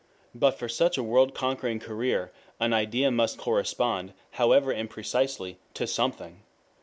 ] But for such a world conquering career an idea must correspond, however imprecisely, to something.